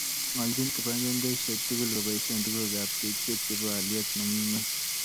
ngoljin kibagengeishek tugul kobaishe tukuk ab tekset chebo alyet nemii ngweny